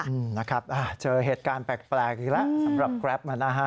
อืมนะครับอ่าเจอเหตุการณ์แปลกอีกแล้วสำหรับแกรปมานะฮะ